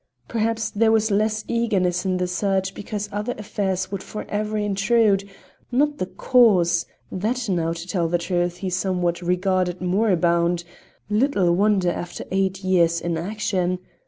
Perhaps there was less eagerness in the search because other affairs would for ever intrude not the Cause (that now, to tell the truth, he somehow regarded moribund; little wonder after eight years' inaction!)